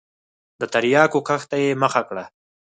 د تریاکو کښت ته یې مخه کړه.